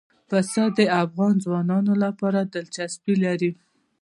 پسه د افغان ځوانانو لپاره دلچسپي لري.